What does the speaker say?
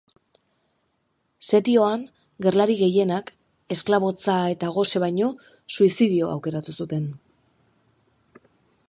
Setioan gerlari gehienak esklabotza eta gose baino suizidio aukeratu zuten.